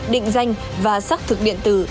định danh và sắc thực điện tử